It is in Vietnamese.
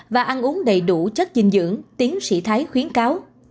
và ăn uống đầy đủ chất dinh dưỡng tiến sĩ thái khuyến cáo